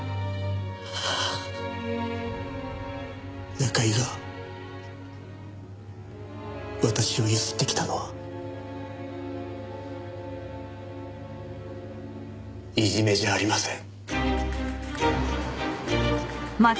中居が私を強請ってきたのはいじめじゃありません。